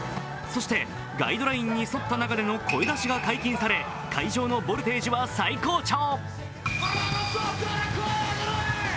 そしてガイドラインに沿った中での声出しが解禁され、会場のボルテージは最高潮。